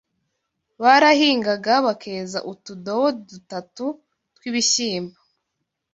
Barahingaga bakeza utudobo dutatu tw’ibishimbo